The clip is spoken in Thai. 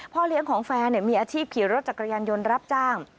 เลี้ยงของแฟนมีอาชีพขี่รถจักรยานยนต์รับจ้าง